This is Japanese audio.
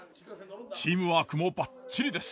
チームワークもバッチリです。